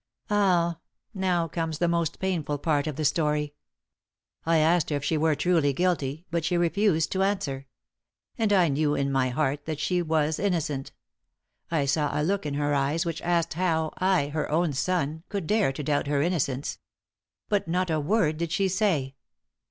"Ah! Now comes the most painful part of the story. I asked her if she were truly guilty, but she refused to answer. And I knew in my heart that she was innocent. I saw a look in her eyes which asked how I her own son could dare to doubt her innocence. But not a word did she say."